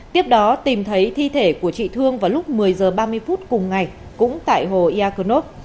tiếp đó tìm thấy thi thể của chị thương vào lúc một mươi giờ ba mươi phút cùng ngày cũng tại hồ ia cơ nốt